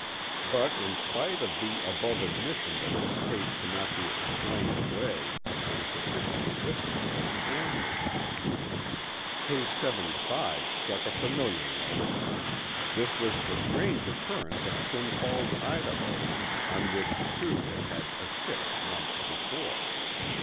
But in spite of the above admission that this case cannot be explained away, it is officially listed as answered. Case 75 struck a familiar note. This was the strange occurrence at Twin Falls, Idaho, on which True had had a tip months before.